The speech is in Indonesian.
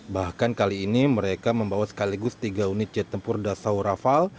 bahkan kali ini mereka membawa sekaligus tiga unit jet tempur dasau rafale